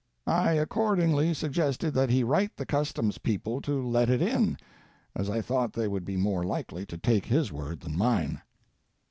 I accordingly suggested that he write the customs people to let it in, as I thought they would be more likely to take his word than mine."